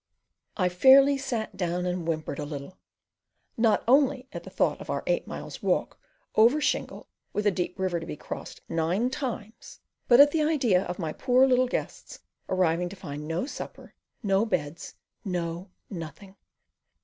I fairly sat down and whimpered a little, not only at the thought of our eight miles' walk over shingle with a deep river to be crossed nine times, but at the idea of my poor little guests arriving to find no supper, no beds, "no nothing."